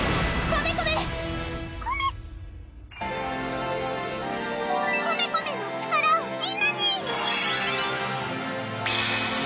コメコメの力をみんなに！